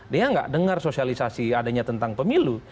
dia nggak dengar sosialisasi adanya tentang pemilu